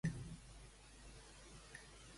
On va regnar Licos?